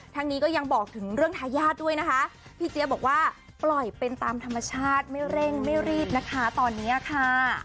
นี้ก็ยังบอกถึงเรื่องทายาทด้วยนะคะพี่เจี๊ยบบอกว่าปล่อยเป็นตามธรรมชาติไม่เร่งไม่รีบนะคะตอนนี้ค่ะ